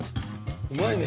うまいね！